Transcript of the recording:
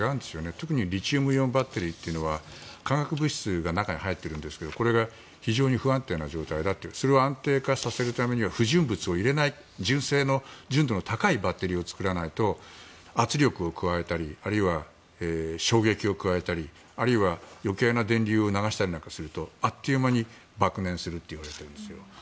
特にリチウムイオンバッテリーは化学物質が中に入っているんですがこれが非常に不安定な状態で安定化させるためには不純物を入れない純正の純度の高いバッテリーを作らないと圧力を加えたりあるいは衝撃を加えたりあるいは、余計な電流を流したりなんかするとあっという間に爆燃すると言われているんです。